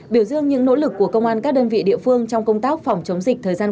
biểu dương những nỗ lực của công an các đơn vị địa phương trong công tác phòng chống dịch thời gian qua